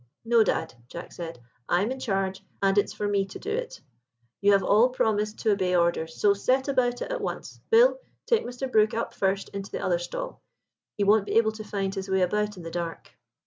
"No, dad," Jack said; "I am in charge, and it is for me to do it. You have all promised to obey orders, so set about it at once. Bill, take Mr. Brook up first into the other stall; he won't be able to find his way about in the dark."